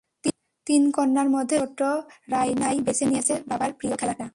তিন কন্যার মধ্যে সবার ছোট রায়নাই বেছে নিয়েছে বাবার প্রিয় খেলাটা।